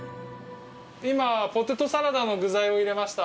今ポテトサラダの具材を入れました。